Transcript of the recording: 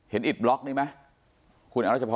เห็นอิตบล็อกนี้ไหมคุณวัจจพร